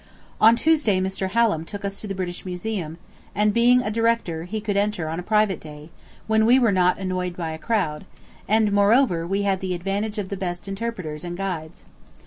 ... On Tuesday Mr. Hallam took us to the British Museum, and being a director, he could enter on a private day, when we were not annoyed by a crowd, and, moreover, we had the advantage of the best interpreters and guides.